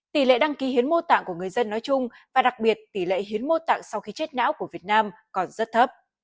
tỷ lệ đăng ký hiến mô tạng của người dân nói chung và đặc biệt tỷ lệ hiến mô tạng sau khi chết não của việt nam còn rất thấp